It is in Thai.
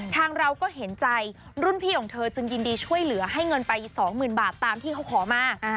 ทางเราก็เห็นใจรุ่นพี่ของเธอจึงยินดีช่วยเหลือให้เงินไป๒๐๐๐บาทตามที่เขาขอมา